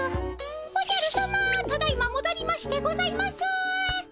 おじゃるさまただいまもどりましてございます。